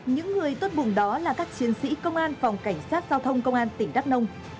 những người tốt vùng đó là các chiến sĩ công an phòng cảnh sát giao thông công an tỉnh đắk nông